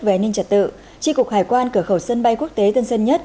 về an ninh trật tự tri cục hải quan cửa khẩu sân bay quốc tế tân sơn nhất